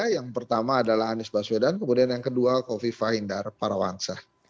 yang pertama adalah anies baswedan kemudian yang kedua kofi fahindar para wangsa